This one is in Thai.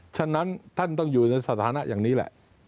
ฉะนั้นท่านต้องอยู่ในสถานะอย่างนี้แหละ